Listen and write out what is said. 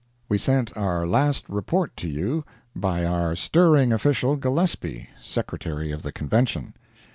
We sent our last report to you by our stirring official, Gillespie, Secretary of the Convention.